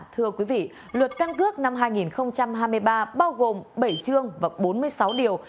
thưa quý vị luật căn cước năm hai nghìn hai mươi ba bao gồm bảy chương và bốn mươi sáu điều